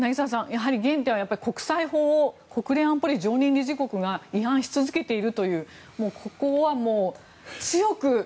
やはり原点は国際法を国連安保理常任理事国が違反し続けているというここは強く。